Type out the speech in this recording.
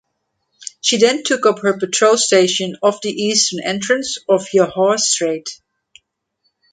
She then took up her patrol station off the eastern entrance of Johore Strait.